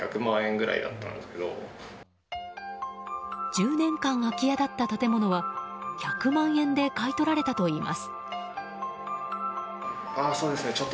１０年間、空き家だった建物は１００万円で買い取られたといいます。